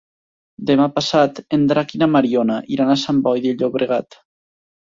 Demà passat en Drac i na Mariona iran a Sant Boi de Llobregat.